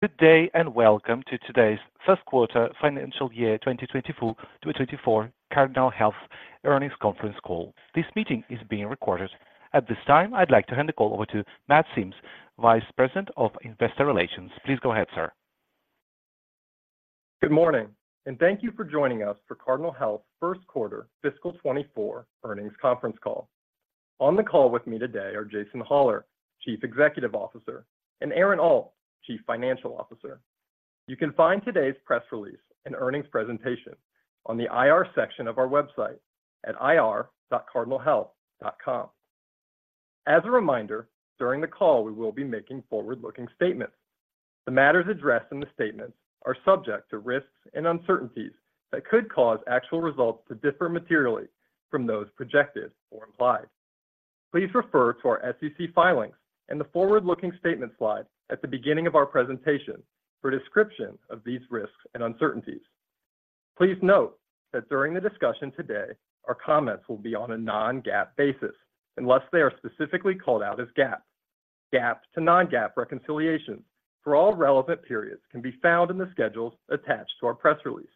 Good day, and welcome to today's First Quarter Financial Year 2024 to 2024 Cardinal Health Earnings Conference Call. This meeting is being recorded. At this time, I'd like to hand the call over to Matt Sims, Vice President of Investor Relations. Please go ahead, sir. Good morning, and thank you for joining us for Cardinal Health First Quarter Fiscal 2024 Earnings Conference Call. On the call with me today are Jason Hollar, Chief Executive Officer, and Aaron Alt, Chief Financial Officer. You can find today's press release and earnings presentation on the IR section of our website at ir.cardinalhealth.com. As a reminder, during the call, we will be making forward-looking statements. The matters addressed in the statements are subject to risks and uncertainties that could cause actual results to differ materially from those projected or implied. Please refer to our SEC filings and the forward-looking statement slide at the beginning of our presentation for a description of these risks and uncertainties. Please note that during the discussion today, our comments will be on a non-GAAP basis, unless they are specifically called out as GAAP. GAAP to non-GAAP reconciliations for all relevant periods can be found in the schedules attached to our press release.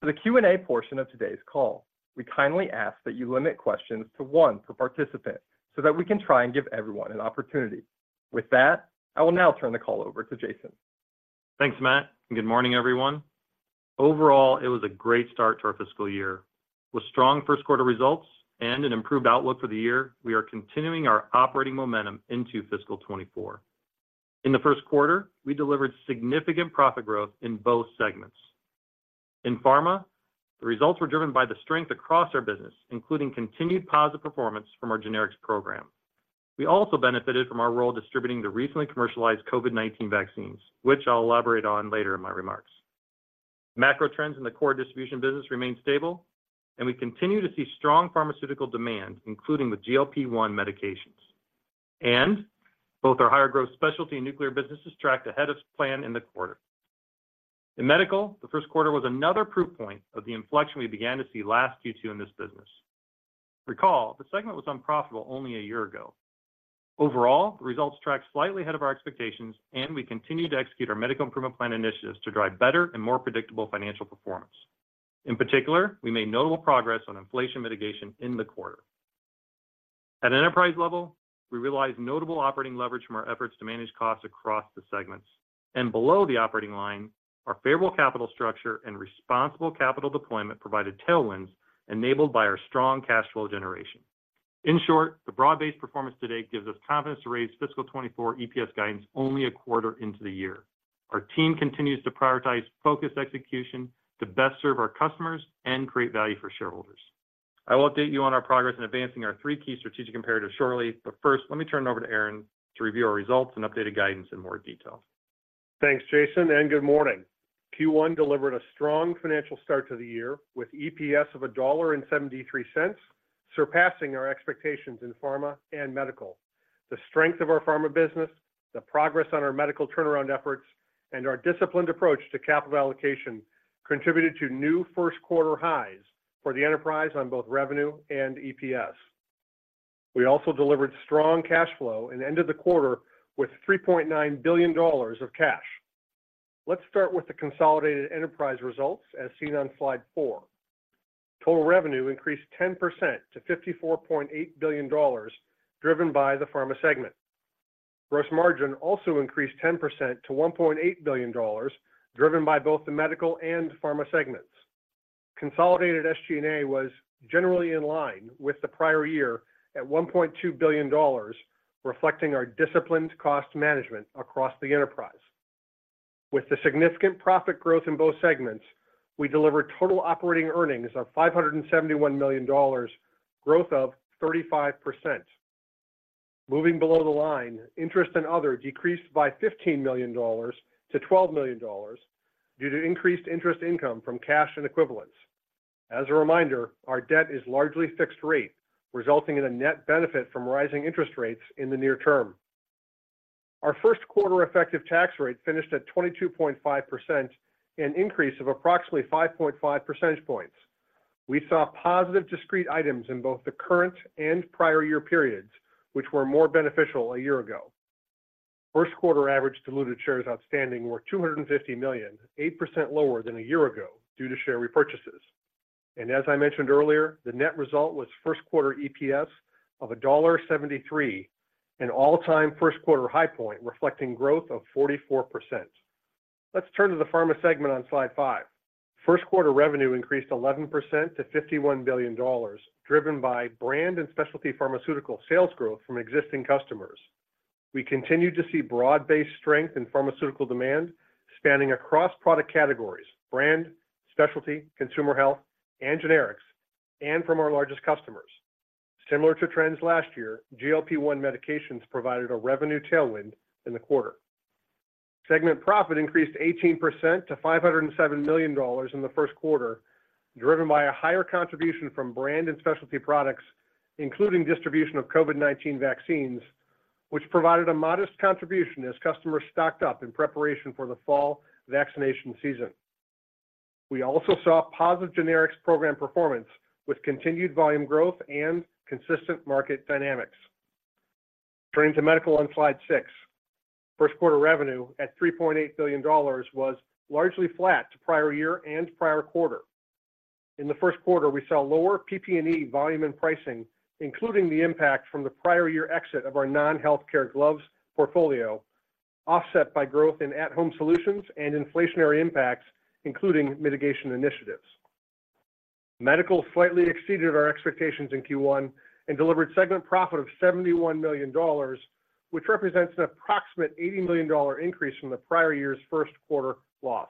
For the Q&A portion of today's call, we kindly ask that you limit questions to one per participant so that we can try and give everyone an opportunity. With that, I will now turn the call over to Jason. Thanks, Matt, and good morning, everyone. Overall, it was a great start to our fiscal year. With strong first quarter results and an improved outlook for the year, we are continuing our operating momentum into fiscal 2024. In the first quarter, we delivered significant profit growth in both segments. In pharma, the results were driven by the strength across our business, including continued positive performance from our generics program. We also benefited from our role distributing the recently commercialized COVID-19 vaccines, which I'll elaborate on later in my remarks. Macro trends in the core distribution business remain stable, and we continue to see strong pharmaceutical demand, including the GLP-1 medications. Both our higher growth specialty and nuclear businesses tracked ahead of plan in the quarter. In medical, the first quarter was another proof point of the inflection we began to see last Q2 in this business. Recall, the segment was unprofitable only a year ago. Overall, results tracked slightly ahead of our expectations, and we continued to execute our medical improvement plan initiatives to drive better and more predictable financial performance. In particular, we made notable progress on inflation mitigation in the quarter. At an enterprise level, we realized notable operating leverage from our efforts to manage costs across the segments, and below the operating line, our favorable capital structure and responsible capital deployment provided tailwinds enabled by our strong cash flow generation. In short, the broad-based performance to date gives us confidence to raise fiscal 2024 EPS guidance only a quarter into the year. Our team continues to prioritize focused execution to best serve our customers and create value for shareholders. I will update you on our progress in advancing our three key strategic imperatives shortly, but first, let me turn it over to Aaron to review our results and updated guidance in more detail. Thanks, Jason, and good morning. Q1 delivered a strong financial start to the year with EPS of $1.73, surpassing our expectations in pharma and medical. The strength of our pharma business, the progress on our medical turnaround efforts, and our disciplined approach to capital allocation contributed to new first quarter highs for the enterprise on both revenue and EPS. We also delivered strong cash flow and ended the quarter with $3.9 billion of cash. Let's start with the consolidated enterprise results as seen on slide four. Total revenue increased 10% to $54.8 billion, driven by the pharma segment. Gross margin also increased 10% to $1.8 billion, driven by both the medical and pharma segments. Consolidated SG&A was generally in line with the prior year at $1.2 billion, reflecting our disciplined cost management across the enterprise. With the significant profit growth in both segments, we delivered total operating earnings of $571 million, growth of 35%. Moving below the line, interest and other decreased by $15 million to $12 million due to increased interest income from cash and equivalents. As a reminder, our debt is largely fixed rate, resulting in a net benefit from rising interest rates in the near term. Our first quarter effective tax rate finished at 22.5%, an increase of approximately 5.5 percentage points. We saw positive discrete items in both the current and prior year periods, which were more beneficial a year ago. First quarter average diluted shares outstanding were 250 million, 8% lower than a year ago due to share repurchases. As I mentioned earlier, the net result was first quarter EPS of $1.73, an all-time first quarter high point, reflecting growth of 44%. Let's turn to the pharma segment on slide five. First quarter revenue increased 11% to $51 billion, driven by brand and specialty pharmaceutical sales growth from existing customers. We continued to see broad-based strength in pharmaceutical demand, spanning across product categories, brand, specialty, consumer health, and generics, and from our largest customers. Similar to trends last year, GLP-1 medications provided a revenue tailwind in the quarter. Segment profit increased 18% to $507 million in the first quarter, driven by a higher contribution from brand and specialty products, including distribution of COVID-19 vaccines, which provided a modest contribution as customers stocked up in preparation for the fall vaccination season. We also saw positive generics program performance with continued volume growth and consistent market dynamics. Turning to medical on slide six. First quarter revenue at $3.8 billion was largely flat to prior year and prior quarter. In the first quarter, we saw lower PP&E volume and pricing, including the impact from the prior year exit of our non-healthcare gloves portfolio, offset by growth in at-Home Solutions and inflationary impacts, including mitigation initiatives. Medical slightly exceeded our expectations in Q1 and delivered segment profit of $71 million, which represents an approximate $80 million increase from the prior year's first quarter loss.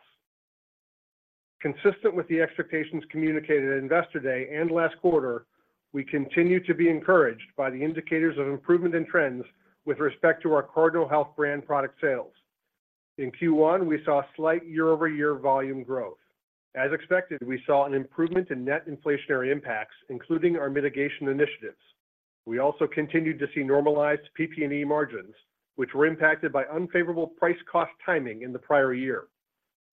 Consistent with the expectations communicated at Investor Day and last quarter, we continue to be encouraged by the indicators of improvement in trends with respect to our Cardinal Health brand product sales. In Q1, we saw slight year-over-year volume growth. As expected, we saw an improvement in net inflationary impacts, including our mitigation initiatives. We also continued to see normalized PP&E margins, which were impacted by unfavorable price cost timing in the prior year.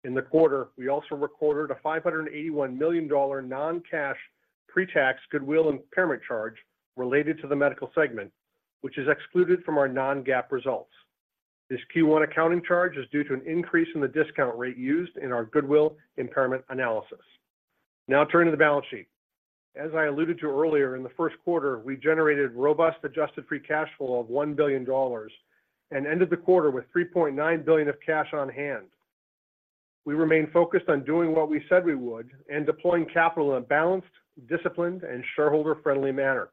In the quarter, we also recorded a $581 million non-cash pre-tax goodwill impairment charge related to the medical segment, which is excluded from our non-GAAP results. This Q1 accounting charge is due to an increase in the discount rate used in our goodwill impairment analysis. Now turning to the balance sheet. As I alluded to earlier, in the first quarter, we generated robust adjusted free cash flow of $1 billion and ended the quarter with $3.9 billion of cash on hand. We remain focused on doing what we said we would and deploying capital in a balanced, disciplined, and shareholder-friendly manner.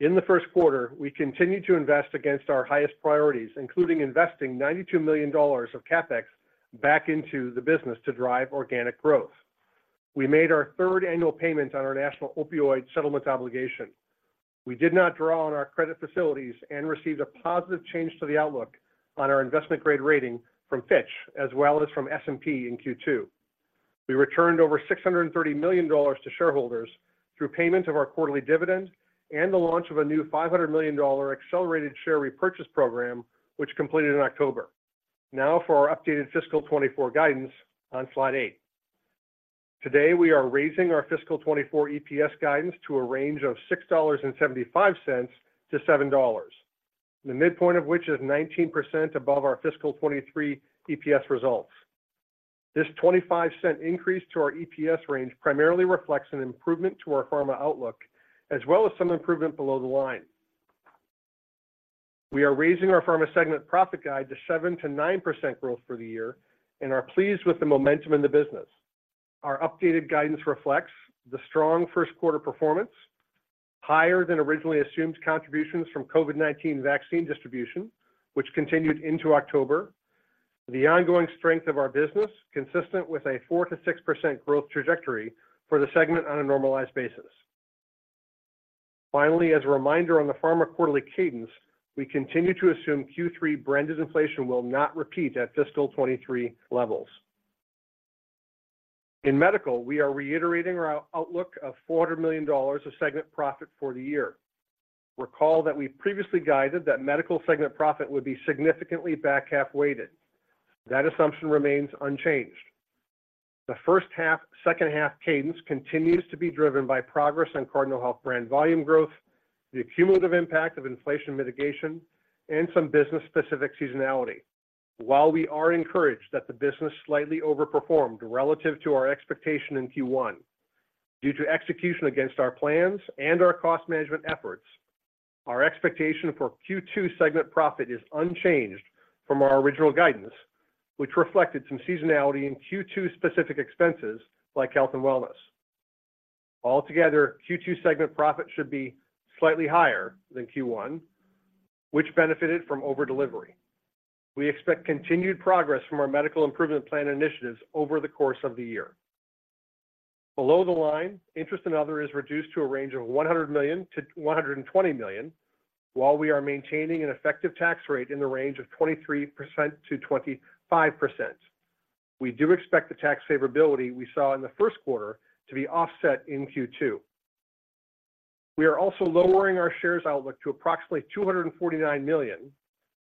In the first quarter, we continued to invest against our highest priorities, including investing $92 million of CapEx back into the business to drive organic growth. We made our third annual payment on our national opioid settlement obligation. We did not draw on our credit facilities and received a positive change to the outlook on our investment-grade rating from Fitch, as well as from S&P in Q2. We returned over $630 million to shareholders through payment of our quarterly dividend and the launch of a new $500 million accelerated share repurchase program, which completed in October. Now for our updated fiscal 2024 guidance on slide eight. Today, we are raising our fiscal 2024 EPS guidance to a range of $6.75-$7, the midpoint of which is 19% above our fiscal 2023 EPS results. This $0.25 increase to our EPS range primarily reflects an improvement to our pharma outlook, as well as some improvement below the line. We are raising our pharma segment profit guide to 7%-9% growth for the year and are pleased with the momentum in the business. Our updated guidance reflects the strong first quarter performance, higher than originally assumed contributions from COVID-19 vaccine distribution, which continued into October. The ongoing strength of our business, consistent with a 4%-6% growth trajectory for the segment on a normalized basis. Finally, as a reminder on the pharma quarterly cadence, we continue to assume Q3 branded inflation will not repeat at fiscal 2023 levels. In medical, we are reiterating our outlook of $400 million of segment profit for the year. Recall that we previously guided that medical segment profit would be significantly back-half weighted. That assumption remains unchanged. The first half, second half cadence continues to be driven by progress on Cardinal Health brand volume growth, the cumulative impact of inflation mitigation, and some business-specific seasonality. While we are encouraged that the business slightly overperformed relative to our expectation in Q1, due to execution against our plans and our cost management efforts, our expectation for Q2 segment profit is unchanged from our original guidance, which reflected some seasonality in Q2 specific expenses like health and wellness. Altogether, Q2 segment profit should be slightly higher than Q1, which benefited from over delivery. We expect continued progress from our medical improvement plan initiatives over the course of the year. Below the line, interest and other is reduced to a range of $100 million-$120 million, while we are maintaining an effective tax rate in the range of 23%-25%. We do expect the tax favorability we saw in the first quarter to be offset in Q2. We are also lowering our shares outlook to approximately 249 million,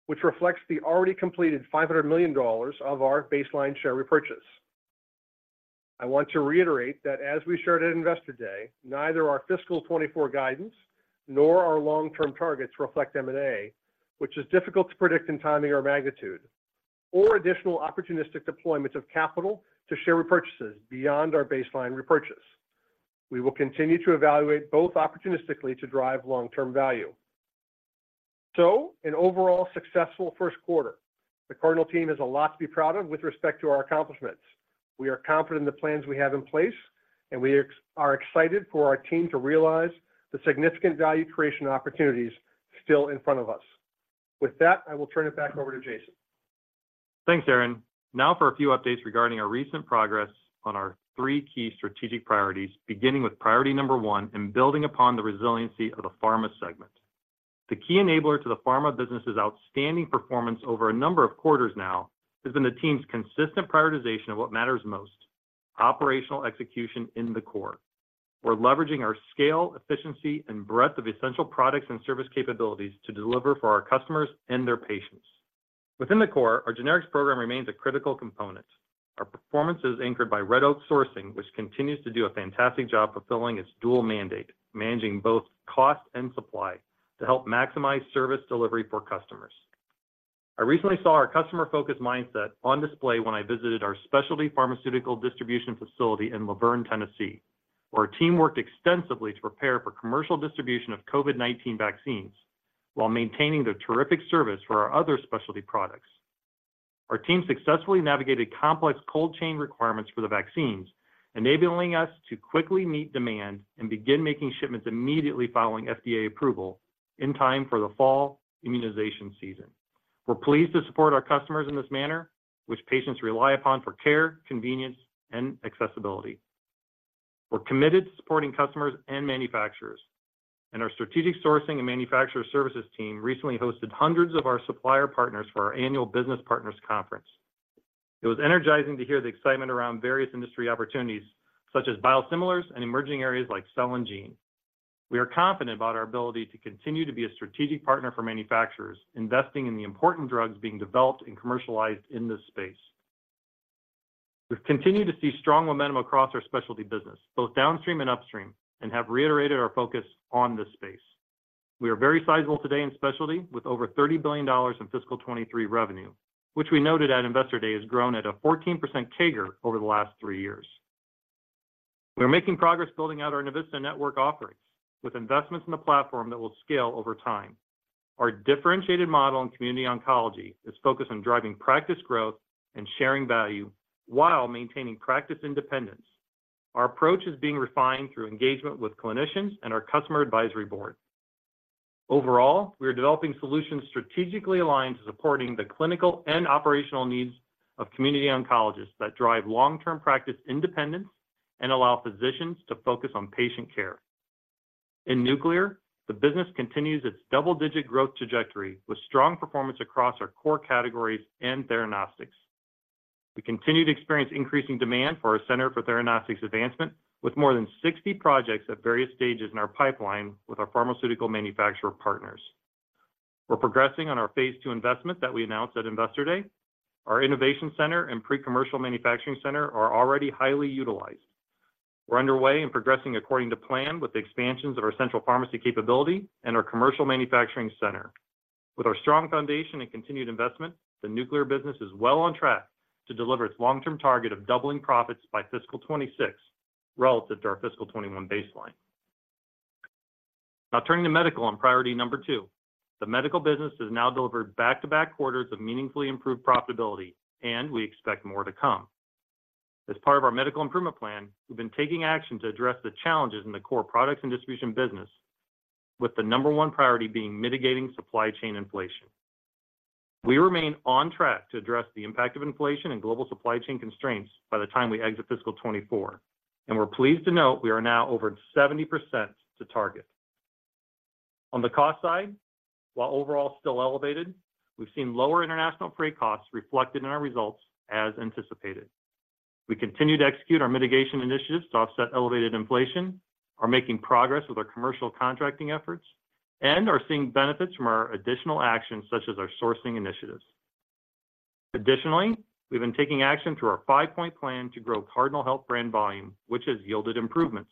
which reflects the already completed $500 million of our baseline share repurchase. I want to reiterate that as we shared at Investor Day, neither our fiscal 2024 guidance nor our long-term targets reflect M&A, which is difficult to predict in timing or magnitude, or additional opportunistic deployments of capital to share repurchases beyond our baseline repurchase. We will continue to evaluate both opportunistically to drive long-term value. So an overall successful first quarter. The Cardinal team has a lot to be proud of with respect to our accomplishments. We are confident in the plans we have in place, and we are excited for our team to realize the significant value creation opportunities still in front of us. With that, I will turn it back over to Jason. Thanks, Aaron. Now for a few updates regarding our recent progress on our three key strategic priorities, beginning with priority number one, and building upon the resiliency of the pharma segment. The key enabler to the pharma business's outstanding performance over a number of quarters now, has been the team's consistent prioritization of what matters most, operational execution in the core. We're leveraging our scale, efficiency, and breadth of essential products and service capabilities to deliver for our customers and their patients. Within the core, our generics program remains a critical component. Our performance is anchored by Red Oak Sourcing, which continues to do a fantastic job fulfilling its dual mandate, managing both cost and supply to help maximize service delivery for customers. I recently saw our customer-focused mindset on display when I visited our specialty pharmaceutical distribution facility in La Vergne, Tennessee, where our team worked extensively to prepare for commercial distribution of COVID-19 vaccines while maintaining their terrific service for our other specialty products. Our team successfully navigated complex cold chain requirements for the vaccines, enabling us to quickly meet demand and begin making shipments immediately following FDA approval in time for the fall immunization season. We're pleased to support our customers in this manner, which patients rely upon for care, convenience, and accessibility. We're committed to supporting customers and manufacturers, and our strategic sourcing and manufacturer services team recently hosted hundreds of our supplier partners for our annual Business Partners Conference. It was energizing to hear the excitement around various industry opportunities, such as biosimilars and emerging areas like cell and gene. We are confident about our ability to continue to be a strategic partner for manufacturers, investing in the important drugs being developed and commercialized in this space. We've continued to see strong momentum across our specialty business, both downstream and upstream, and have reiterated our focus on this space. We are very sizable today in specialty, with over $30 billion in fiscal 2023 revenue, which we noted at Investor Day has grown at a 14% CAGR over the last 3 years. We're making progress building out our Navista network offerings, with investments in the platform that will scale over time. Our differentiated model in community oncology is focused on driving practice growth and sharing value while maintaining practice independence. Our approach is being refined through engagement with clinicians and our customer advisory board. Overall, we are developing solutions strategically aligned to supporting the clinical and operational needs of community oncologists that drive long-term practice independence and allow physicians to focus on patient care. In nuclear, the business continues its double-digit growth trajectory with strong performance across our core categories and theranostics. We continue to experience increasing demand for our Center for Theranostics Advancement, with more than 60 projects at various stages in our pipeline with our pharmaceutical manufacturer partners. We're progressing on our phase II investment that we announced at Investor Day. Our innovation center and pre-commercial manufacturing center are already highly utilized. We're underway and progressing according to plan with the expansions of our central pharmacy capability and our commercial manufacturing center. With our strong foundation and continued investment, the nuclear business is well on track to deliver its long-term target of doubling profits by fiscal 2026, relative to our fiscal 2021 baseline. Now turning to medical and priority number two, the medical business has now delivered back-to-back quarters of meaningfully improved profitability, and we expect more to come. As part of our medical improvement plan, we've been taking action to address the challenges in the core products and distribution business, with the number one priority being mitigating supply chain inflation. We remain on track to address the impact of inflation and global supply chain constraints by the time we exit fiscal 2024, and we're pleased to note we are now over 70% to target. On the cost side, while overall still elevated, we've seen lower international freight costs reflected in our results as anticipated. We continue to execute our mitigation initiatives to offset elevated inflation, are making progress with our commercial contracting efforts, and are seeing benefits from our additional actions, such as our sourcing initiatives. Additionally, we've been taking action through our five-point plan to grow Cardinal Health brand volume, which has yielded improvements.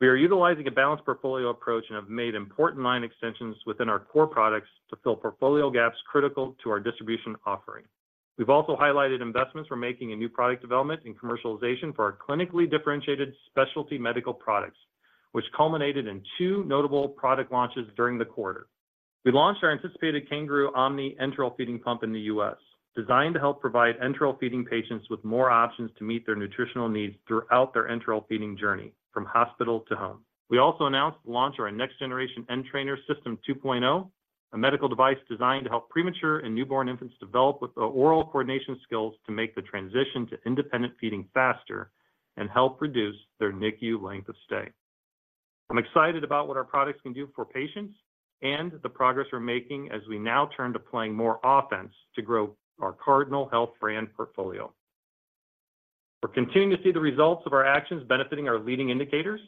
We are utilizing a balanced portfolio approach and have made important line extensions within our core products to fill portfolio gaps critical to our distribution offering. We've also highlighted investments we're making in new product development and commercialization for our clinically differentiated specialty medical products, which culminated in two notable product launches during the quarter. We launched our anticipated Kangaroo OMNI enteral feeding pump in the U.S., designed to help provide enteral feeding patients with more options to meet their nutritional needs throughout their enteral feeding journey from hospital to home. We also announced the launch of our next generation N-Trainer System 2.0, a medical device designed to help premature and newborn infants develop with the oral coordination skills to make the transition to independent feeding faster and help reduce their NICU length of stay. I'm excited about what our products can do for patients and the progress we're making as we now turn to playing more offense to grow our Cardinal Health brand portfolio. We're continuing to see the results of our actions benefiting our leading indicators,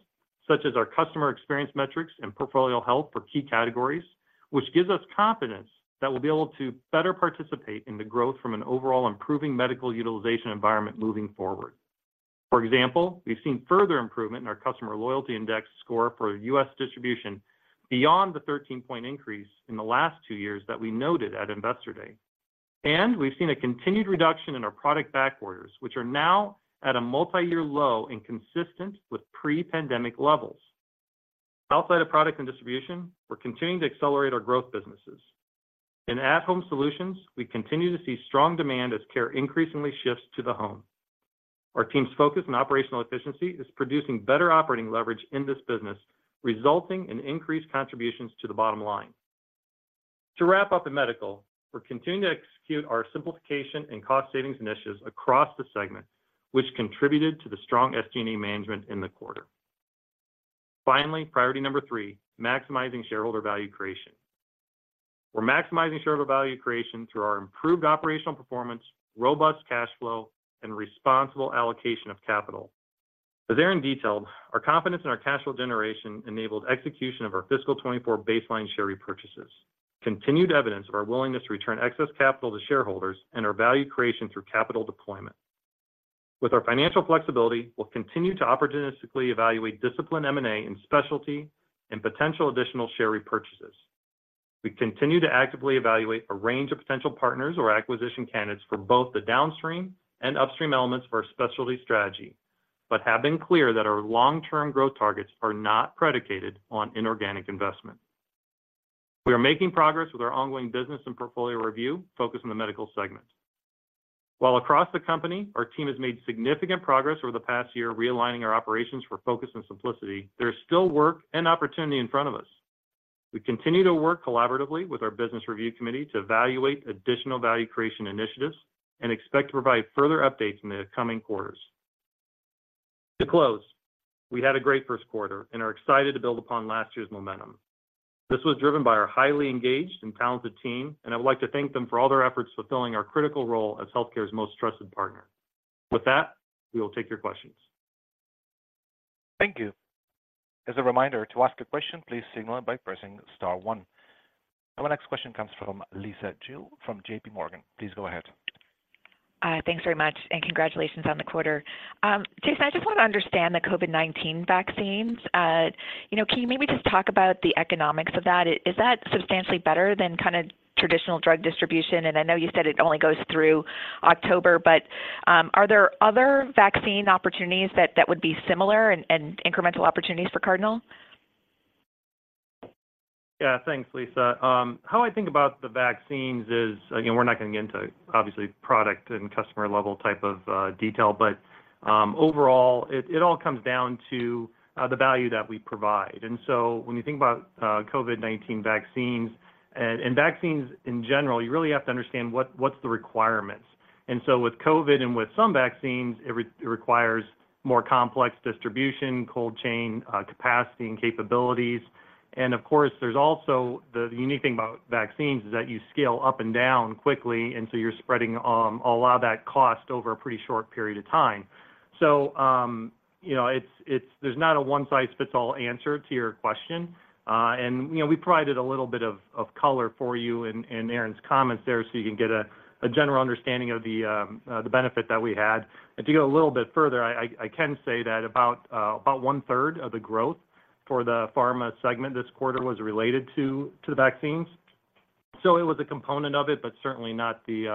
such as our customer experience metrics and portfolio health for key categories, which gives us confidence that we'll be able to better participate in the growth from an overall improving medical utilization environment moving forward. For example, we've seen further improvement in our Customer Loyalty Index Score for U.S. distribution beyond the 13-point increase in the last two years that we noted at Investor Day. We've seen a continued reduction in our product back orders, which are now at a multiyear low and consistent with pre-pandemic levels. Outside of product and distribution, we're continuing to accelerate our growth businesses. In at-Home solutions, we continue to see strong demand as care increasingly shifts to the home. Our team's focus on operational efficiency is producing better operating leverage in this business, resulting in increased contributions to the bottom line. To wrap up in medical, we're continuing to execute our simplification and cost savings initiatives across the segment, which contributed to the strong SG&A management in the quarter. Finally, priority number three, maximizing shareholder value creation. We're maximizing shareholder value creation through our improved operational performance, robust cash flow, and responsible allocation of capital. As Aaron detailed, our confidence in our cash flow generation enabled execution of our fiscal 2024 baseline share repurchases, continued evidence of our willingness to return excess capital to shareholders, and our value creation through capital deployment. With our financial flexibility, we'll continue to opportunistically evaluate disciplined M&A in Specialty and potential additional share repurchases. We continue to actively evaluate a range of potential partners or acquisition candidates for both the downstream and upstream elements of our Specialty strategy, but have been clear that our long-term growth targets are not predicated on inorganic investment. We are making progress with our ongoing business and portfolio review, focused on the medical segment. While across the company, our team has made significant progress over the past year, realigning our operations for focus and simplicity, there is still work and opportunity in front of us. We continue to work collaboratively with our business review committee to evaluate additional value creation initiatives and expect to provide further updates in the coming quarters. To close, we had a great first quarter and are excited to build upon last year's momentum. This was driven by our highly engaged and talented team, and I would like to thank them for all their efforts fulfilling our critical role as healthcare's most trusted partner. With that, we will take your questions. Thank you. As a reminder, to ask a question, please signal by pressing star one. Our next question comes from Lisa Gill from JP Morgan. Please go ahead. Thanks very much, and congratulations on the quarter. Jason, I just want to understand the COVID-19 vaccines. You know, can you maybe just talk about the economics of that? Is that substantially better than kind of traditional drug distribution? And I know you said it only goes through October, but are there other vaccine opportunities that would be similar and incremental opportunities for Cardinal? Yeah, thanks, Lisa. How I think about the vaccines is, again, we're not going to get into, obviously, product and customer-level type of detail, but overall, it all comes down to the value that we provide. And so when you think about COVID-19 vaccines, and vaccines in general, you really have to understand what's the requirements. And so with COVID and with some vaccines, it requires more complex distribution, cold chain capacity and capabilities. And of course, there's also... The unique thing about vaccines is that you scale up and down quickly, and so you're spreading a lot of that cost over a pretty short period of time. So you know, it's-- There's not a one-size-fits-all answer to your question. And, you know, we provided a little bit of color for you in Aaron's comments there, so you can get a general understanding of the benefit that we had. And to go a little bit further, I can say that about one-third of the growth for the pharma segment this quarter was related to the vaccines. So it was a component of it, but certainly not the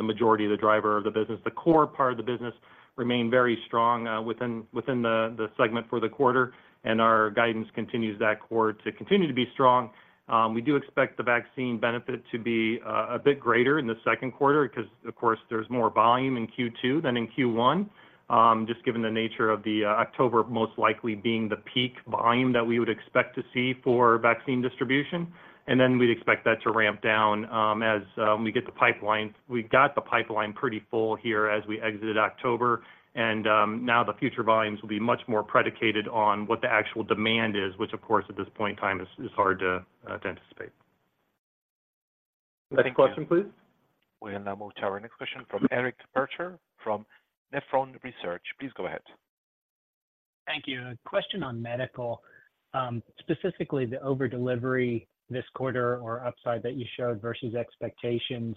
majority of the driver of the business. The core part of the business remained very strong within the segment for the quarter, and our guidance continues that core to continue to be strong. We do expect the vaccine benefit to be a bit greater in the second quarter because, of course, there's more volume in Q2 than in Q1, just given the nature of the October most likely being the peak volume that we would expect to see for vaccine distribution. And then we'd expect that to ramp down as we get the pipeline. We've got the pipeline pretty full here as we exited October, and now the future volumes will be much more predicated on what the actual demand is, which, of course, at this point in time is hard to anticipate. Next question, please. We'll now move to our next question from Eric Percher from Nephron Research. Please go ahead. Thank you. A question on Medical, specifically the over-delivery this quarter or upside that you showed versus expectations.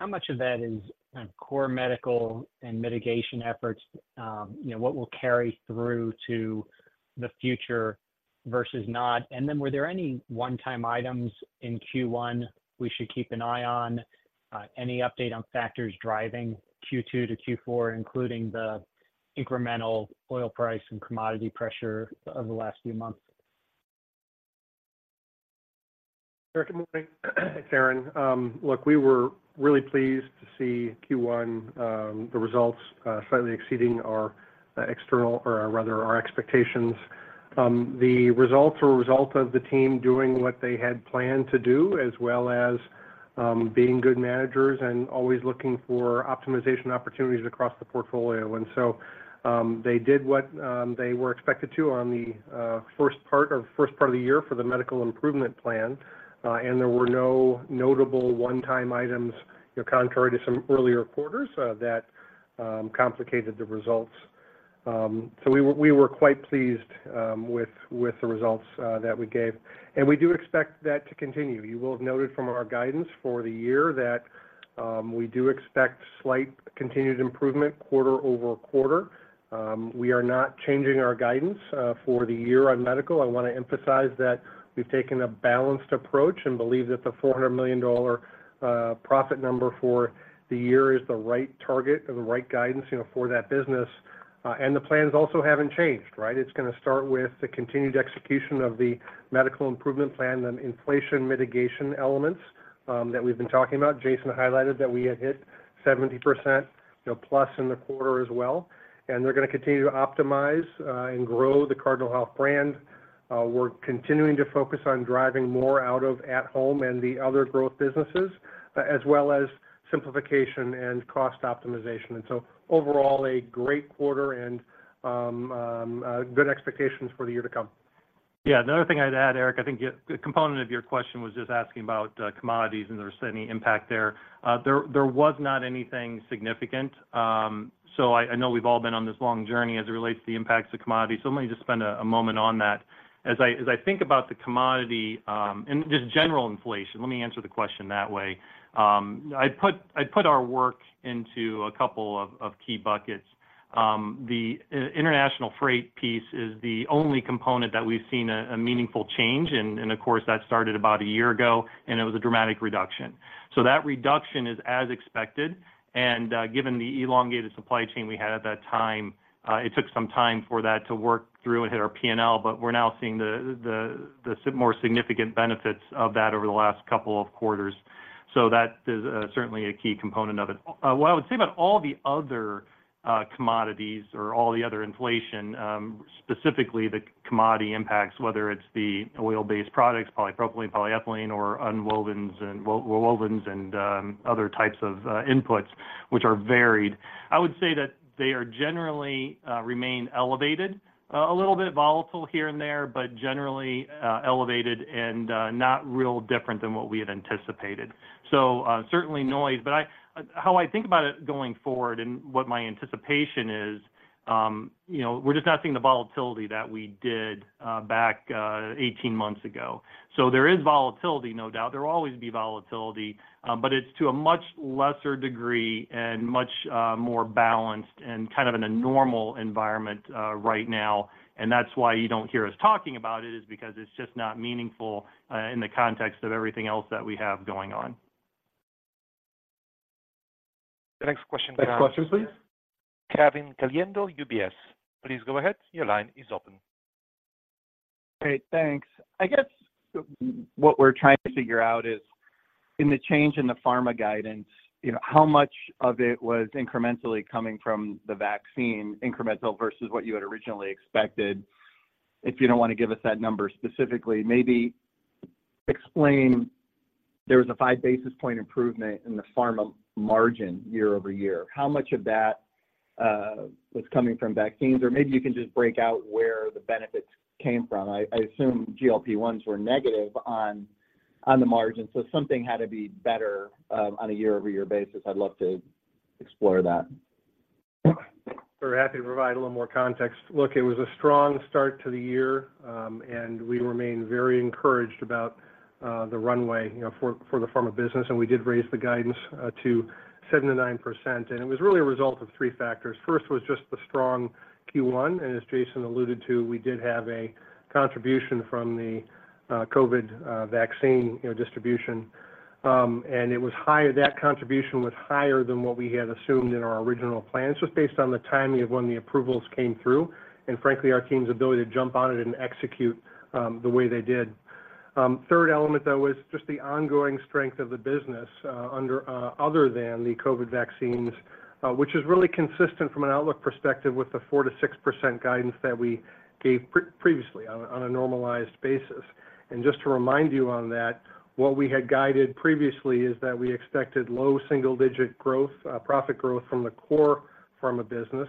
How much of that is kind of core Medical and mitigation efforts? You know, what will carry through to the future versus not? And then were there any one-time items in Q1 we should keep an eye on? Any update on factors driving Q2 to Q4, including the incremental oil price and commodity pressure of the last few months? Eric, good morning. It's Aaron. Look, we were really pleased to see Q1, the results, slightly exceeding our external or rather our expectations. The results were a result of the team doing what they had planned to do, as well as being good managers and always looking for optimization opportunities across the portfolio. And so, they did what they were expected to on the first part of the year for the Medical Improvement Plan, and there were no notable one-time items, you know, contrary to some earlier quarters, that complicated the results. So we were quite pleased with the results that we gave, and we do expect that to continue. You will have noted from our guidance for the year that we do expect slight continued improvement quarter-over-quarter. We are not changing our guidance for the year on medical. I want to emphasize that we've taken a balanced approach and believe that the $400 million profit number for the year is the right target or the right guidance, you know, for that business. And the plans also haven't changed, right? It's going to start with the continued execution of the Medical Improvement Plan and inflation mitigation elements that we've been talking about. Jason highlighted that we had hit 70%, you know, plus in the quarter as well, and they're going to continue to optimize and grow the Cardinal Health brand. We're continuing to focus on driving more out of at-Home and the other growth businesses, as well as simplification and cost optimization. And so overall, a great quarter and good expectations for the year to come. Yeah, another thing I'd add, Eric, I think the, the component of your question was just asking about, commodities and if there's any impact there. There was not anything significant. So I know we've all been on this long journey as it relates to the impacts of commodities, so let me just spend a moment on that. As I think about the commodity, and just general inflation, let me answer the question that way. I'd put our work into a couple of key buckets. The international freight piece is the only component that we've seen a meaningful change, and of course, that started about a year ago, and it was a dramatic reduction. So that reduction is as expected, and given the elongated supply chain we had at that time, it took some time for that to work through and hit our P&L, but we're now seeing more significant benefits of that over the last couple of quarters. So that is certainly a key component of it. What I would say about all the other commodities or all the other inflation, specifically the commodity impacts, whether it's the oil-based products, polypropylene, polyethylene or nonwovens and wovens and other types of inputs, which are varied, I would say that they are generally remain elevated. A little bit volatile here and there, but generally elevated and not real different than what we had anticipated. So, certainly noise, but how I think about it going forward and what my anticipation is, you know, we're just not seeing the volatility that we did, back, 18 months ago. So there is volatility, no doubt. There will always be volatility, but it's to a much lesser degree and much, more balanced and kind of in a normal environment, right now. And that's why you don't hear us talking about it, is because it's just not meaningful, in the context of everything else that we have going on. Next question, please. Kevin Caliendo, UBS. Please go ahead. Your line is open. Great, thanks. I guess what we're trying to figure out is, in the change in the pharma guidance, you know, how much of it was incrementally coming from the vaccine, incremental versus what you had originally expected? If you don't want to give us that number specifically, maybe explain... There was a five basis point improvement in the pharma margin year-over-year. How much of that was coming from vaccines? Or maybe you can just break out where the benefits came from. I assume GLP-1s were negative on the margin, so something had to be better on a year-over-year basis. I'd love to explore that. We're happy to provide a little more context. Look, it was a strong start to the year, and we remain very encouraged about the runway, you know, for the pharma business, and we did raise the guidance to 7%-9%, and it was really a result of three factors. First was just the strong Q1, and as Jason alluded to, we did have a contribution from the COVID vaccine, you know, distribution. And it was higher. That contribution was higher than what we had assumed in our original plan. It's just based on the timing of when the approvals came through and frankly, our team's ability to jump on it and execute the way they did. Third element, though, is just the ongoing strength of the business, other than the COVID vaccines, which is really consistent from an outlook perspective with the 4%-6% guidance that we gave previously on a normalized basis. And just to remind you on that, what we had guided previously is that we expected low single-digit growth, profit growth from the core pharma business.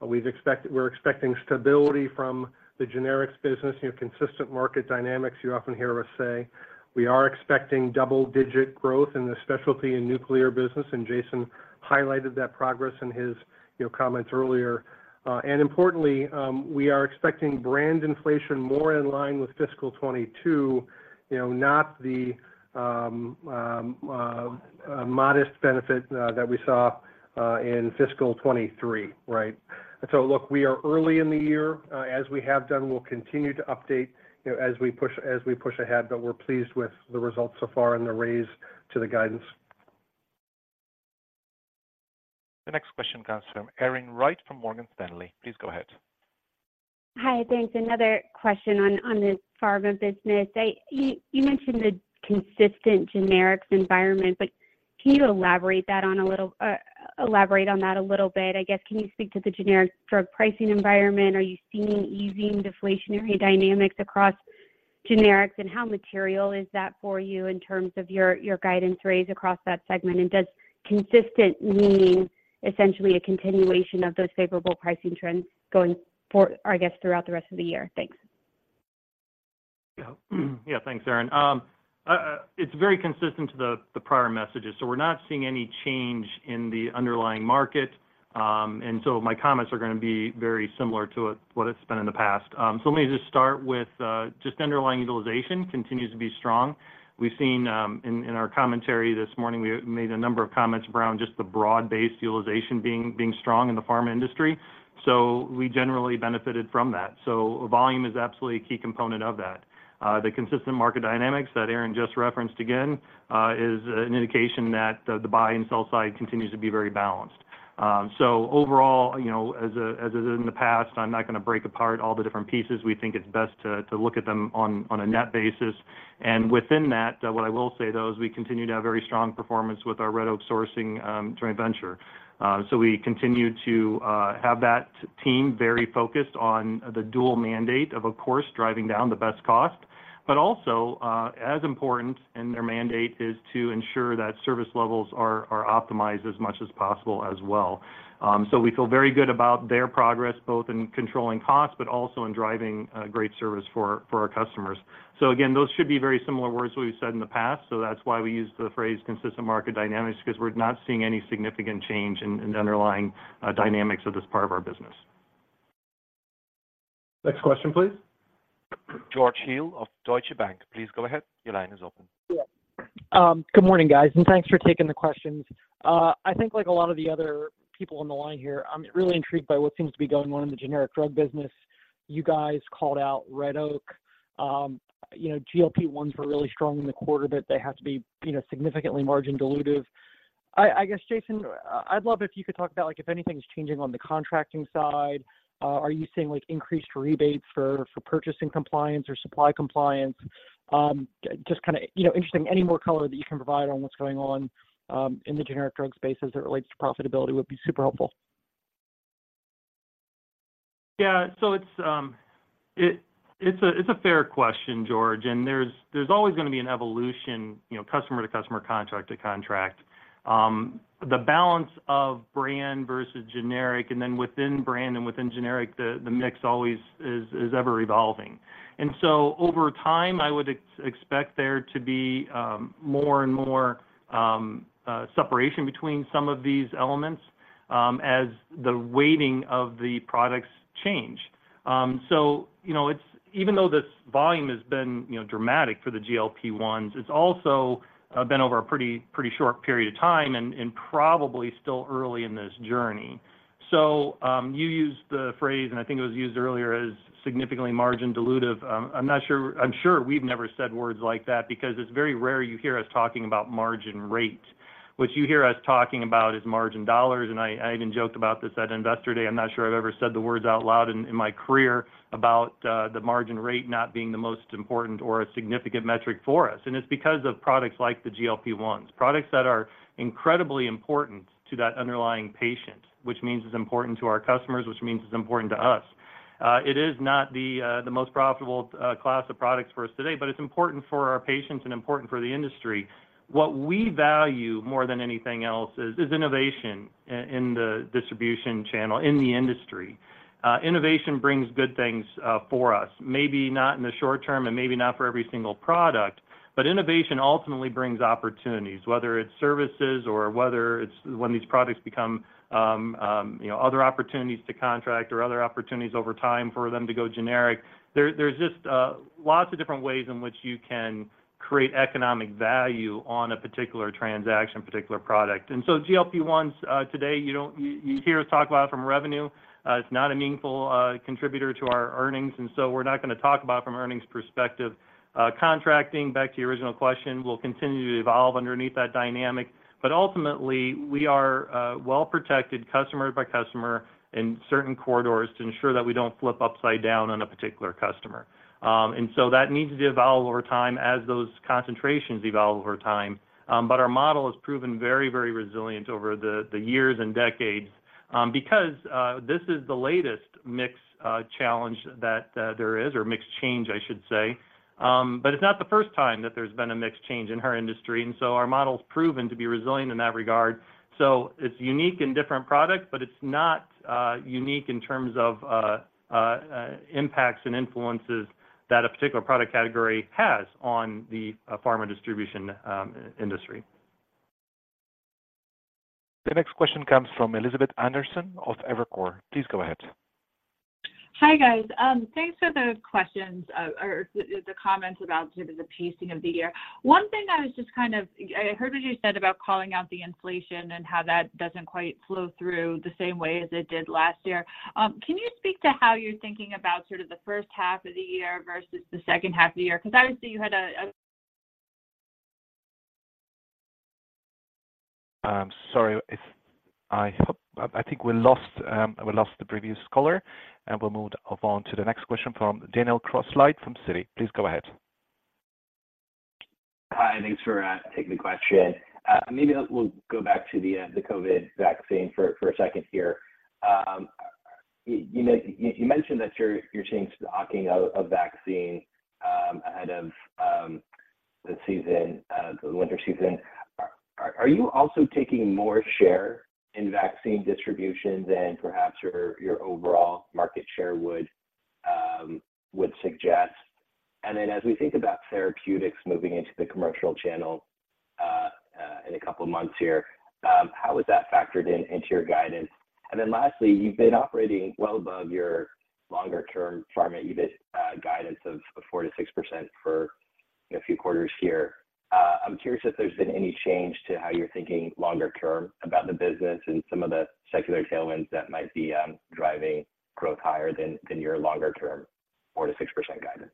We're expecting stability from the generics business, you know, consistent market dynamics, you often hear us say. We are expecting double-digit growth in the specialty and nuclear business, and Jason highlighted that progress in his, you know, comments earlier. And importantly, we are expecting brand inflation more in line with fiscal 2022, you know, not the modest benefit that we saw in fiscal 2023, right? So look, we are early in the year. As we have done, we'll continue to update, you know, as we push, as we push ahead, but we're pleased with the results so far and the raise to the guidance. The next question comes from Erin Wright from Morgan Stanley. Please go ahead. Hi, thanks. Another question on the pharma business. You mentioned the consistent generics environment, but can you elaborate that on a little, elaborate on that a little bit? I guess, can you speak to the generic drug pricing environment? Are you seeing easing deflationary dynamics across generics, and how material is that for you in terms of your guidance raise across that segment? And does "consistent" mean essentially a continuation of those favorable pricing trends going for, I guess, throughout the rest of the year? Thanks. Yeah. Yeah, thanks, Erin. It's very consistent to the prior messages, so we're not seeing any change in the underlying market. And so my comments are gonna be very similar to what it's been in the past. So let me just start with just underlying utilization continues to be strong. We've seen in our commentary this morning, we made a number of comments around just the broad-based utilization being strong in the pharma industry, so we generally benefited from that. So volume is absolutely a key component of that. The consistent market dynamics that Erin just referenced again is an indication that the buy and sell side continues to be very balanced. So overall, you know, as it is in the past, I'm not gonna break apart all the different pieces. We think it's best to look at them on a net basis. And within that, what I will say, though, is we continue to have very strong performance with our Red Oak Sourcing joint venture. So we continue to have that team very focused on the dual mandate of, of course, driving down the best cost. But also, as important in their mandate is to ensure that service levels are optimized as much as possible as well. So we feel very good about their progress, both in controlling costs, but also in driving great service for our customers. So again, those should be very similar words we've said in the past, so that's why we use the phrase consistent market dynamics, because we're not seeing any significant change in the underlying dynamics of this part of our business. Next question, please. George Hill of Deutsche Bank, please go ahead. Your line is open. Yeah. Good morning, guys, and thanks for taking the questions. I think like a lot of the other people on the line here, I'm really intrigued by what seems to be going on in the generic drug business. You guys called out Red Oak. You know, GLP-1s were really strong in the quarter, but they have to be, you know, significantly margin dilutive. I guess, Jason, I'd love if you could talk about, like, if anything's changing on the contracting side? Are you seeing, like, increased rebates for purchasing compliance or supply compliance? Just kinda, you know, interesting, any more color that you can provide on what's going on in the generic drug space as it relates to profitability would be super helpful. Yeah. So it's a fair question, George, and there's always gonna be an evolution, you know, customer to customer, contract to contract. The balance of brand versus generic, and then within brand and within generic, the mix always is ever-evolving. And so over time, I would expect there to be more and more separation between some of these elements as the weighting of the products change. So you know, it's even though this volume has been, you know, dramatic for the GLP-1s, it's also been over a pretty short period of time and probably still early in this journey. So you used the phrase, and I think it was used earlier, as significantly margin dilutive. I'm not sure. I'm sure we've never said words like that because it's very rare you hear us talking about margin rate. What you hear us talking about is margin dollars, and I even joked about this at Investor Day. I'm not sure I've ever said the words out loud in my career about the margin rate not being the most important or a significant metric for us, and it's because of products like the GLP-1s, products that are incredibly important to that underlying patient, which means it's important to our customers, which means it's important to us. It is not the most profitable class of products for us today, but it's important for our patients and important for the industry. What we value more than anything else is innovation in the distribution channel, in the industry. Innovation brings good things for us. Maybe not in the short term and maybe not for every single product, but innovation ultimately brings opportunities, whether it's services or whether it's when these products become, you know, other opportunities to contract or other opportunities over time for them to go generic. There's just lots of different ways in which you can create economic value on a particular transaction, particular product. And so GLP-1s today, you hear us talk about from revenue. It's not a meaningful contributor to our earnings, and so we're not gonna talk about it from an earnings perspective. Contracting, back to your original question, will continue to evolve underneath that dynamic, but ultimately, we are well-protected, customer by customer, in certain corridors to ensure that we don't flip upside down on a particular customer. And so that needs to evolve over time as those concentrations evolve over time. But our model has proven very very resilient over the years and decades, because this is the latest mix challenge that there is, or mix change, I should say. But it's not the first time that there's been a mix change in our industry, and so our model's proven to be resilient in that regard. So it's unique and different product, but it's not unique in terms of impacts and influences that a particular product category has on the pharma distribution industry. The next question comes from Elizabeth Anderson of Evercore. Please go ahead. Hi, guys. Thanks for the questions or the comments about sort of the pacing of the year. One thing I was just kind of—I heard what you said about calling out the inflation and how that doesn't quite flow through the same way as it did last year. Can you speak to how you're thinking about sort of the first half of the year versus the second half of the year? Because obviously, you had a, a- Sorry, I think we lost the previous caller, and we'll move on to the next question from Daniel Grosslight from Citi. Please go ahead. Hi, thanks for taking the question. Maybe we'll go back to the COVID vaccine for a second here. You know, you mentioned that you're changing the stocking of vaccine ahead of the season, the winter season. Are you also taking more share in vaccine distribution than perhaps your overall market share would suggest? And then, as we think about therapeutics moving into the commercial channel in a couple of months here, how is that factored in into your guidance? And then lastly, you've been operating well above your longer-term pharma EBIT guidance of 4%-6% for a few quarters here. I'm curious if there's been any change to how you're thinking longer term about the business and some of the secular tailwinds that might be driving growth higher than your longer-term 4%-6% guidance.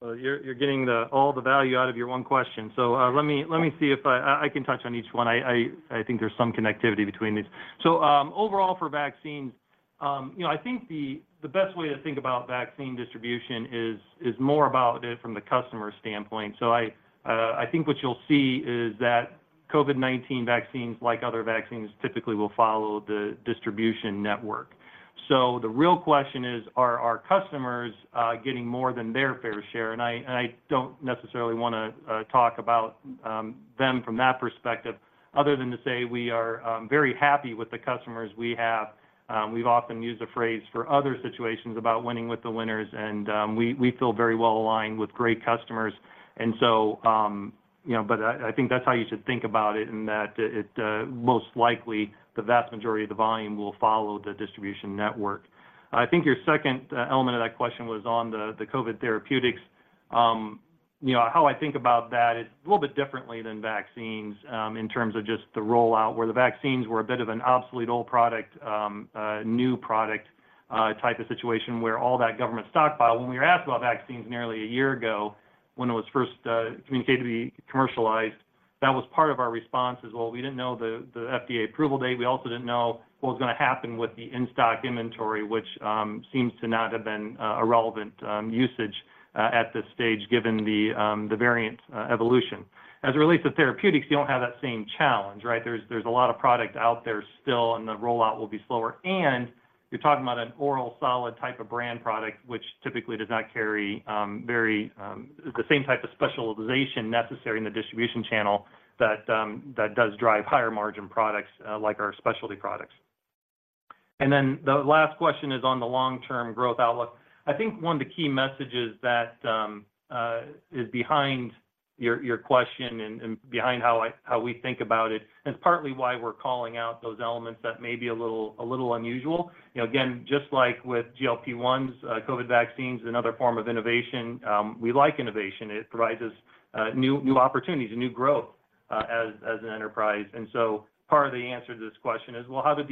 Well, you're getting all the value out of your one question. So, let me see if I can touch on each one. I think there's some connectivity between these. So, overall for vaccines, you know, I think the best way to think about vaccine distribution is more about it from the customer standpoint. So I think what you'll see is that COVID-19 vaccines, like other vaccines, typically will follow the distribution network. So the real question is, are our customers getting more than their fair share? And I don't necessarily wanna talk about them from that perspective other than to say we are very happy with the customers we have. We've often used the phrase for other situations about winning with the winners, and we feel very well aligned with great customers. And so, you know, but I think that's how you should think about it, in that it most likely, the vast majority of the volume will follow the distribution network. I think your second element of that question was on the COVID therapeutics. You know, how I think about that is a little bit differently than vaccines, in terms of just the rollout, where the vaccines were a bit of an obsolete old product, a new product type of situation, where all that government stockpile. When we were asked about vaccines nearly a year ago, when it was first communicated to be commercialized, that was part of our response. Well, we didn't know the FDA approval date. We also didn't know what was gonna happen with the in-stock inventory, which seems to not have been a relevant usage at this stage, given the variant evolution. As it relates to therapeutics, you don't have that same challenge, right? There's a lot of product out there still, and the rollout will be slower. And you're talking about an oral solid type of brand product, which typically does not carry very the same type of specialization necessary in the distribution channel that does drive higher margin products, like our specialty products. And then the last question is on the long-term growth outlook. I think one of the key messages that is behind your question and behind how we think about it, and it's partly why we're calling out those elements that may be a little unusual. You know, again, just like with GLP-1s, COVID vaccines is another form of innovation. We like innovation. It provides us new opportunities and new growth as an enterprise. And so part of the answer to this question is, well, how do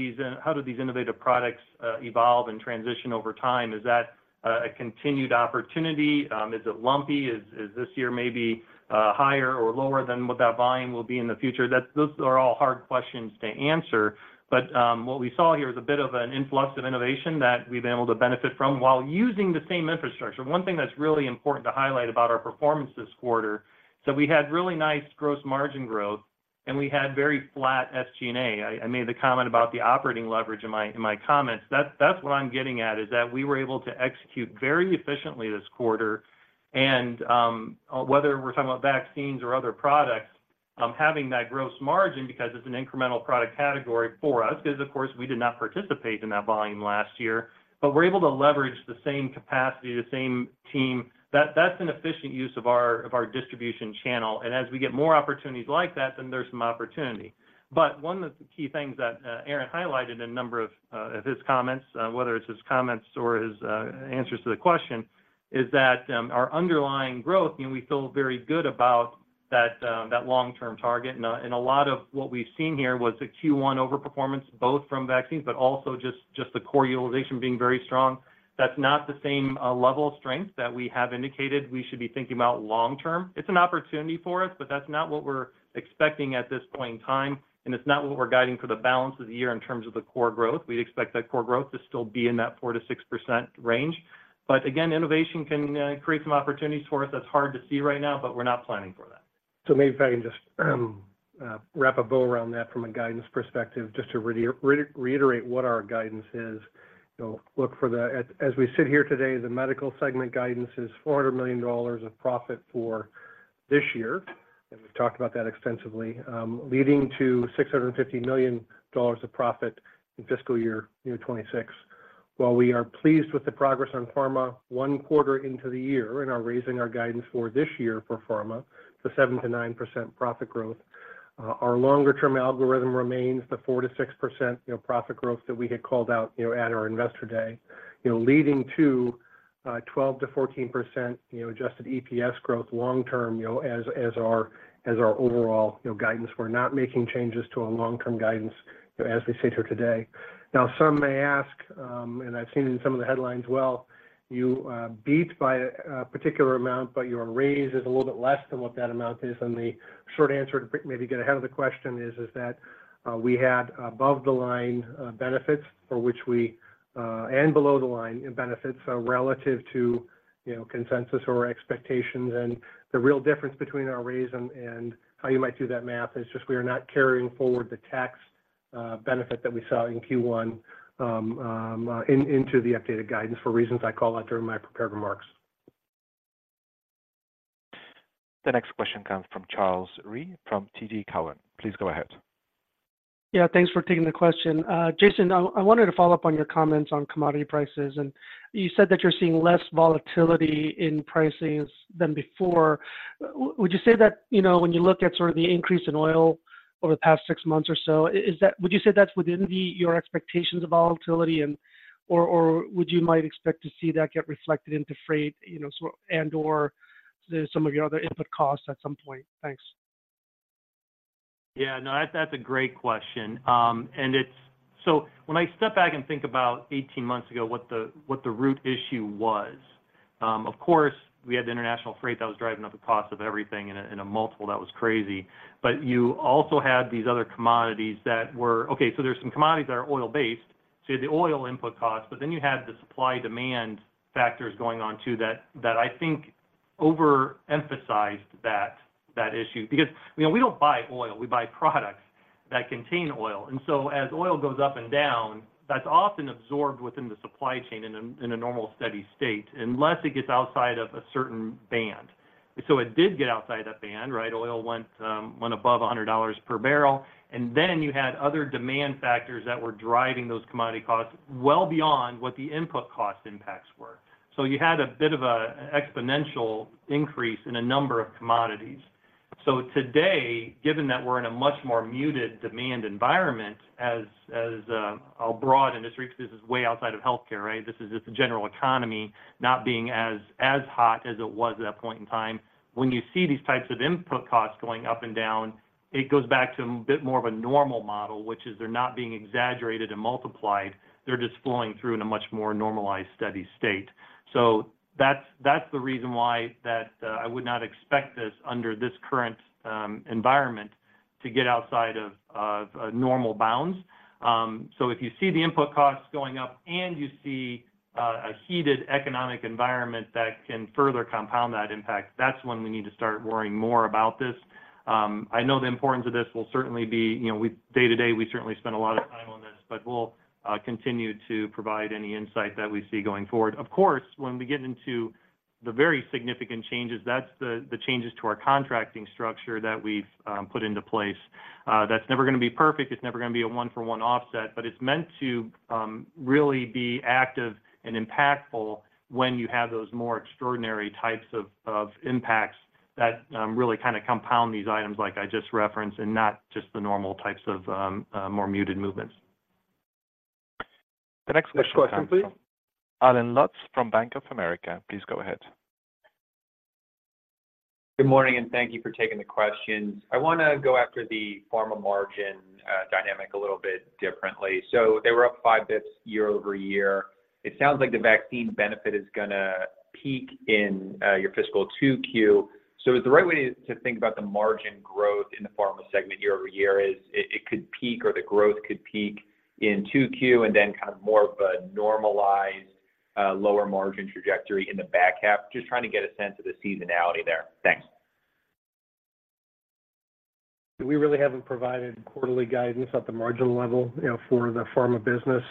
these innovative products evolve and transition over time? Is that a continued opportunity? Is it lumpy? Is this year maybe higher or lower than what that volume will be in the future? Those are all hard questions to answer, but what we saw here is a bit of an influx of innovation that we've been able to benefit from while using the same infrastructure. One thing that's really important to highlight about our performance this quarter, so we had really nice gross margin growth, and we had very flat SG&A. I made the comment about the operating leverage in my comments. That's what I'm getting at, is that we were able to execute very efficiently this quarter. And whether we're talking about vaccines or other products, having that gross margin because it's an incremental product category for us, 'cause of course, we did not participate in that volume last year. But we're able to leverage the same capacity, the same team. That's an efficient use of our distribution channel, and as we get more opportunities like that, then there's some opportunity. But one of the key things that Aaron highlighted in a number of his comments, whether it's his comments or his answers to the question, is that our underlying growth, you know, we feel very good about that long-term target. And a lot of what we've seen here was a Q1 overperformance, both from vaccines, but also just the core utilization being very strong. That's not the same level of strength that we have indicated we should be thinking about long term. It's an opportunity for us, but that's not what we're expecting at this point in time, and it's not what we're guiding for the balance of the year in terms of the core growth. We'd expect that core growth to still be in that 4%-6% range. But again, innovation can create some opportunities for us that's hard to see right now, but we're not planning for that. So maybe if I can just wrap a bow around that from a guidance perspective, just to reiterate what our guidance is. You know, look for the. As we sit here today, the medical segment guidance is $400 million of profit for this year, and we've talked about that extensively, leading to $650 million of profit in fiscal year 2026. While we are pleased with the progress on pharma one quarter into the year and are raising our guidance for this year for pharma to 7%-9% profit growth, our longer term algorithm remains the 4%-6%, you know, profit growth that we had called out, you know, at our Investor Day. You know, leading to 12%-14%, you know, adjusted EPS growth long term, you know, as our overall, you know, guidance. We're not making changes to our long-term guidance, you know, as we sit here today. Now, some may ask, and I've seen it in some of the headlines, "Well, you beat by a particular amount, but your raise is a little bit less than what that amount is." And the short answer to maybe get ahead of the question is that we had above-the-line benefits for which we and below-the-line benefits relative to, you know, consensus or expectations. The real difference between our raise and how you might do that math is just we are not carrying forward the tax benefit that we saw in Q1 into the updated guidance for reasons I called out during my prepared remarks. The next question comes from Charles Rhyee from TD Cowen. Please go ahead. Yeah, thanks for taking the question. Jason, I wanted to follow up on your comments on commodity prices, and you said that you're seeing less volatility in pricings than before. Would you say that, you know, when you look at sort of the increase in oil over the past six months or so, is that within your expectations of volatility and, or would you expect to see that get reflected into freight, you know, so, and/or some of your other input costs at some point? Thanks. Yeah, no, that's, that's a great question. And it's... So when I step back and think about 18 months ago, what the root issue was, of course, we had the international freight that was driving up the cost of everything in a multiple that was crazy. But you also had these other commodities that were okay, so there's some commodities that are oil-based. So the oil input costs, but then you had the supply-demand factors going on, too, that, that I think overemphasized that, that issue. Because, you know, we don't buy oil, we buy products that contain oil. And so as oil goes up and down, that's often absorbed within the supply chain in a, in a normal, steady state, unless it gets outside of a certain band. So it did get outside that band, right? Oil went, went above $100 per barrel, and then you had other demand factors that were driving those commodity costs well beyond what the input cost impacts were. So you had a bit of a, an exponential increase in a number of commodities. So today, given that we're in a much more muted demand environment as, as abroad, and this reason, this is way outside of healthcare, right? This is just the general economy not being as hot as it was at that point in time. When you see these types of input costs going up and down, it goes back to a bit more of a normal model, which is they're not being exaggerated and multiplied, they're just flowing through in a much more normalized, steady state. So that's the reason why that I would not expect this, under this current environment, to get outside of a normal bounds. So if you see the input costs going up and you see a heated economic environment, that can further compound that impact, that's when we need to start worrying more about this. I know the importance of this will certainly be. You know, we, day-to-day, we certainly spend a lot of time on this, but we'll continue to provide any insight that we see going forward. Of course, when we get into the very significant changes, that's the changes to our contracting structure that we've put into place. That's never gonna be perfect. It's never gonna be a one-for-one offset, but it's meant to really be active and impactful when you have those more extraordinary types of impacts that really kinda compound these items, like I just referenced, and not just the normal types of more muted movements. The next question, please. Allen Lutz from Bank of America, please go ahead. Good morning, and thank you for taking the questions. I wanna go after the pharma margin dynamic a little bit differently. So they were up 5 basis points year-over-year. It sounds like the vaccine benefit is gonna peak in your fiscal 2Q. So is the right way to think about the margin growth in the pharma segment year-over-year is it could peak, or the growth could peak in 2Q, and then kind of more of a normalized lower margin trajectory in the back half? Just trying to get a sense of the seasonality there. Thanks. We really haven't provided quarterly guidance at the margin level, you know, for the pharma business.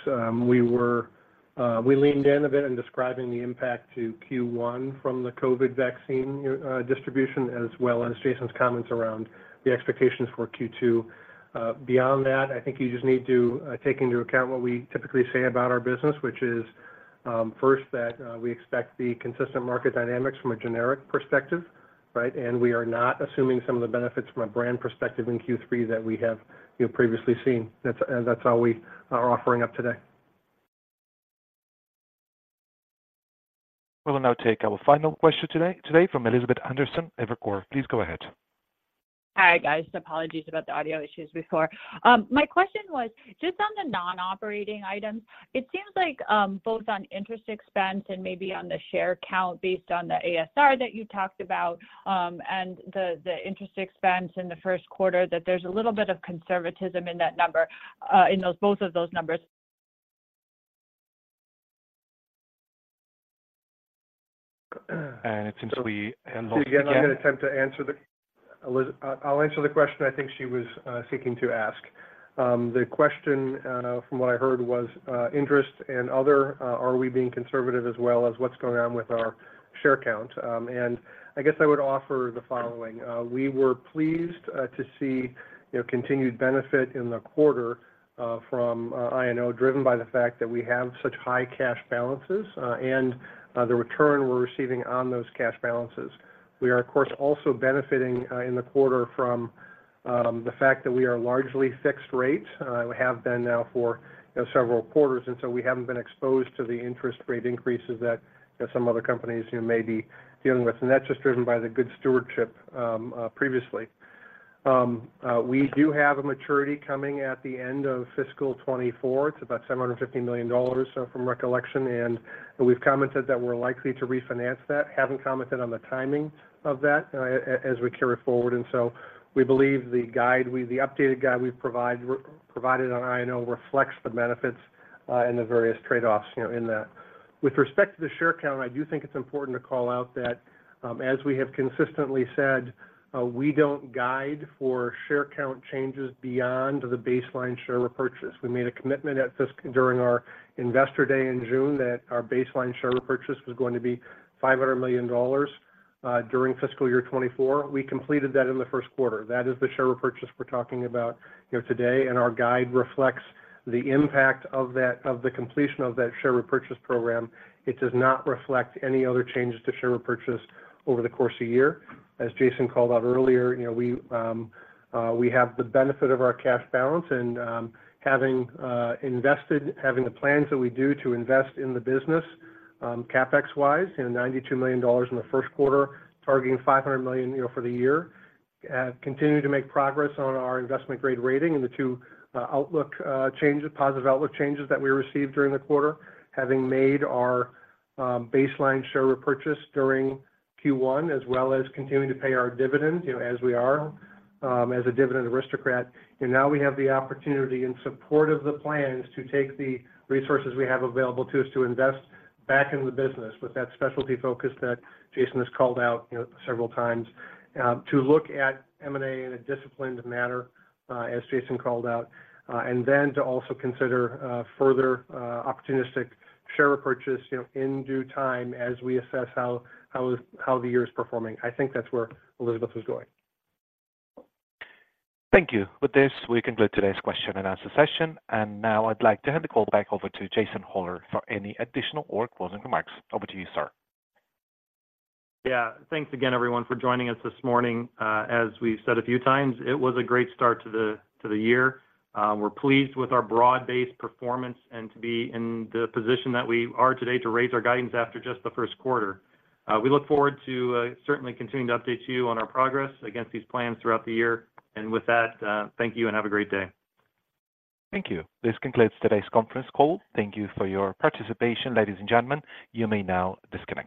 We leaned in a bit in describing the impact to Q1 from the COVID vaccine distribution, as well as Jason's comments around the expectations for Q2. Beyond that, I think you just need to take into account what we typically say about our business, which is, first, that we expect the consistent market dynamics from a generic perspective, right? And we are not assuming some of the benefits from a brand perspective in Q3 that we have, you know, previously seen. That's all we are offering up today. We will now take our final question today, today, from Elizabeth Anderson, Evercore. Please go ahead. Hi, guys. Apologies about the audio issues before. My question was just on the non-operating items. It seems like, both on interest expense and maybe on the share count, based on the ASR that you talked about, and the, the interest expense in the first quarter, that there's a little bit of conservatism in that number, in those, both of those numbers. It seems we have lost again. So again, I'm gonna attempt to answer the... Liz, I, I'll answer the question I think she was seeking to ask. The question, from what I heard, was interest and other, are we being conservative, as well as what's going on with our share count? And I guess I would offer the following: We were pleased to see, you know, continued benefit in the quarter from I&O, driven by the fact that we have such high cash balances and the return we're receiving on those cash balances. We are, of course, also benefiting in the quarter from the fact that we are largely fixed rates. We have been now for, you know, several quarters, and so we haven't been exposed to the interest rate increases that some other companies, you know, may be dealing with. And that's just driven by the good stewardship previously. We do have a maturity coming at the end of fiscal 2024. It's about $750 million from recollection, and we've commented that we're likely to refinance that. Haven't commented on the timing of that as we carry forward, and so we believe the updated guide we've provided on I&O reflects the benefits and the various trade-offs, you know, in that. With respect to the share count, I do think it's important to call out that, as we have consistently said, we don't guide for share count changes beyond the baseline share repurchase. We made a commitment at this, during our Investor Day in June, that our baseline share repurchase was going to be $500 million during fiscal year 2024. We completed that in the first quarter. That is the share repurchase we're talking about, you know, today, and our guide reflects the impact of that, of the completion of that share repurchase program. It does not reflect any other changes to share repurchase over the course of the year. As Jason called out earlier, you know, we have the benefit of our cash balance and having the plans that we do to invest in the business, CapEx wise, you know, $92 million in the first quarter, targeting $500 million, you know, for the year. Continue to make progress on our investment-grade rating and the two outlook changes, positive outlook changes that we received during the quarter, having made our baseline share repurchase during Q1, as well as continuing to pay our dividend, you know, as we are as a Dividend Aristocrat. And now we have the opportunity, in support of the plans, to take the resources we have available to us to invest back in the business with that specialty focus that Jason has called out, you know, several times. To look at M&A in a disciplined manner as Jason called out, and then to also consider further opportunistic share repurchase, you know, in due time as we assess how the year is performing. I think that's where Elizabeth was going. Thank you. With this, we conclude today's question-and-answer session. And now I'd like to hand the call back over to Jason Hollar for any additional or closing remarks. Over to you, sir. Yeah. Thanks again, everyone, for joining us this morning. As we've said a few times, it was a great start to the year. We're pleased with our broad-based performance and to be in the position that we are today to raise our guidance after just the first quarter. We look forward to certainly continuing to update you on our progress against these plans throughout the year. And with that, thank you, and have a great day. Thank you. This concludes today's conference call. Thank you for your participation, ladies and gentlemen. You may now disconnect.